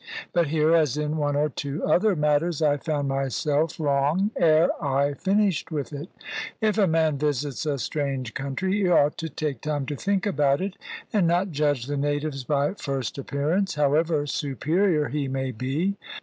But here, as in one or two other matters, I found myself wrong ere I finished with it. If a man visits a strange country, he ought to take time to think about it, and not judge the natives by first appearance, however superior he may be.